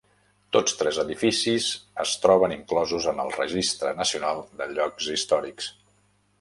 Tots tres edificis es troben inclosos en el Registre nacional de llocs històrics.